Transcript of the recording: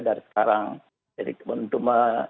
dari sekarang jadi untuk